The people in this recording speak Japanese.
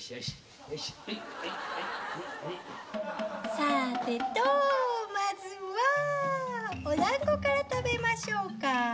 さてとまずはお団子から食べましょうか。